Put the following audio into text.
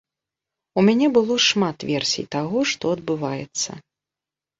У мяне было шмат версій таго, што адбываецца.